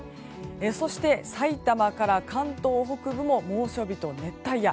そして、さいたまから関東北部も猛暑日と熱帯夜。